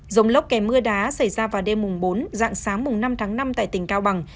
rông lốc kè mưa đá xảy ra vào đêm bốn dạng sáng năm năm tại tỉnh cao bằng